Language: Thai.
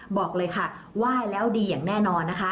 บอกเลยค่ะไหว้แล้วดีอย่างแน่นอนนะคะ